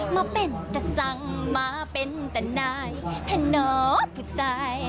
มาเป็นแต่สังมาเป็นแต่นายแท้นอพุดสาย